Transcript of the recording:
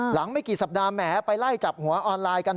ไม่กี่สัปดาห์แหมไปไล่จับหัวออนไลน์กัน